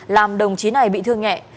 làm đồng chí này bị thương nhẹ